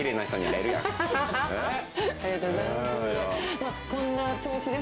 ありがとうございます。